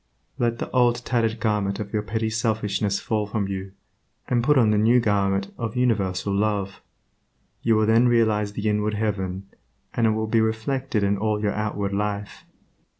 Let the old tattered garment of your petty selfishness fall from you, and put on the new garment of universal Love. You will then realize the inward heaven, and it will be reflected in all your outward life.